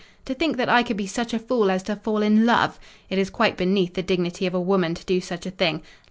To think that I could be such a fool as to fall in love! It is quite beneath the dignity of a woman to do such a thing.